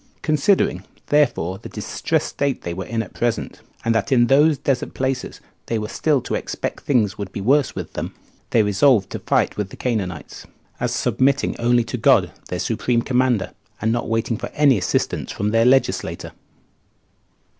Considering, therefore, the distressed state they were in at present, and that in those desert places they were still to expect things would be worse with them, they resolved to fight with the Canaanites, as submitting only to God, their supreme Commander, and not waiting for any assistance from their legislator.